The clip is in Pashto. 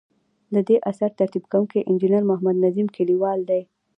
ددې اثر ترتیب کوونکی انجنیر محمد نظیم کلیوال دی.